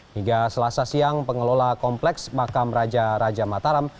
hingga selasa siang pengelola kompleks makam raja raja mataram